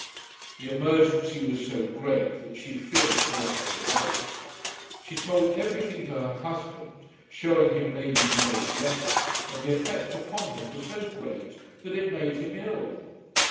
The emergency was so great that she feared to act alone. She told everything to her husband, shewing him Lady Mary's letter, and the effect upon him was so great that it made him ill.